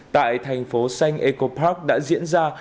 tại thành phố xanh eco park đã diễn ra